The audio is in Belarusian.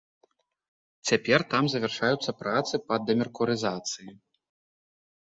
Цяпер там завяршаюцца працы па дэмеркурызацыі.